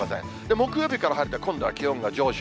木曜日から晴れて、今度は気温が上昇。